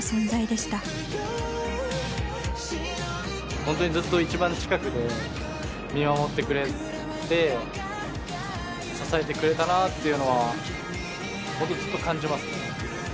本当にずっと一番近くで見守ってくれて支えてくれたなっていうのは本当ずっと感じますね。